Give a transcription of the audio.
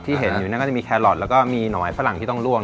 เห็นอยู่นั่นก็จะมีแครอทแล้วก็มีหอยฝรั่งที่ต้องร่วม